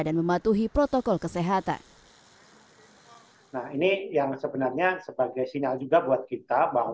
dan mematuhi protokol kesehatan